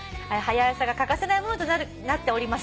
「『はや朝』が欠かせないものとなっております」